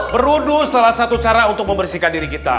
beruduh salah satu cara untuk membersihkan diri kita